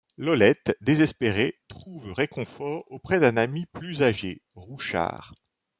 Lolette, désespérée, trouve réconfort auprès d'un ami plus âgé, Rouchard.